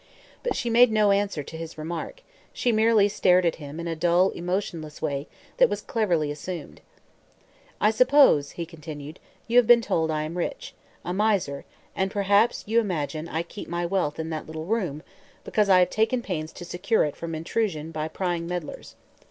But she made no answer to his remark; she merely stared at him in a dull, emotionless way that was cleverly assumed. "I suppose," he continued, "you have been told I am rich a miser and perhaps you imagine I keep my wealth in that little room, because I have taken pains to secure it from intrusion by prying meddlers.